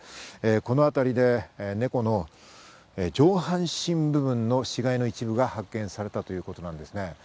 このあたりで猫の上半身部分の死骸の一部が発見されたということなんですね。